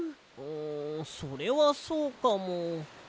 んそれはそうかも。